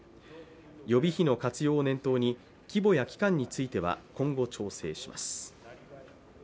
予備費の活用を念頭に規模や期間については今後調整します。